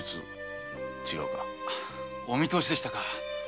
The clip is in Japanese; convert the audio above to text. お見とおしでしたか。